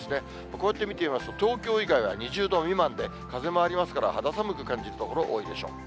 こうやって見てみますと、東京以外は２０度未満で、風もありますから、肌寒く感じる所、多いでしょう。